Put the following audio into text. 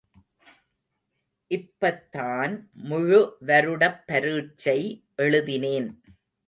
இப்பத்தான் முழுவருடப் பரீட்சை எழுதினேன்.